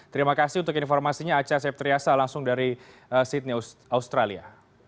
terima kasih untuk informasinya aca septriasa langsung dari sydney australia